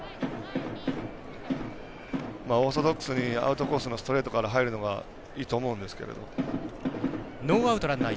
オーソドックスにアウトコースのストレートから入るのがいいと思うんですけど。